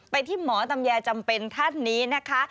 ที่หมอตำแยจำเป็นท่านนี้นะคะ